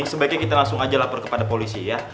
sebaiknya kita langsung aja lapor kepada polisi ya